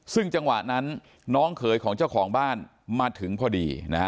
ซึ่งจังหวะนั้นน้องเขยของเจ้าของบ้านมาถึงพอดีนะฮะ